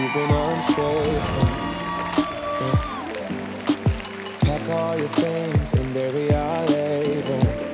ขอบคุณครับ